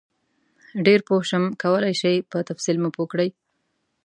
ډېر پوه شم کولای شئ په تفصیل مې پوه کړئ؟